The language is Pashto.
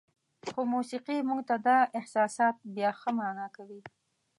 خو موسیقي موږ ته دا احساسات بیا ښه معنا کوي.